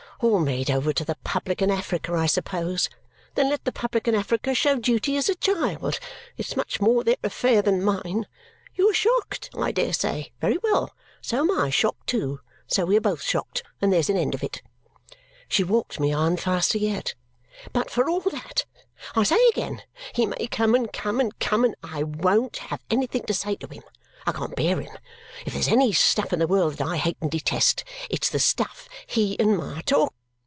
All made over to the public and Africa, I suppose! Then let the public and Africa show duty as a child; it's much more their affair than mine. You are shocked, I dare say! Very well, so am I shocked too; so we are both shocked, and there's an end of it!" She walked me on faster yet. "But for all that, I say again, he may come, and come, and come, and I won't have anything to say to him. I can't bear him. If there's any stuff in the world that I hate and detest, it's the stuff he and Ma talk.